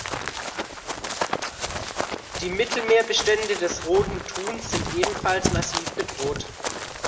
Die Mittelmeerbestände des Roten Thuns sind ebenfalls massiv bedroht.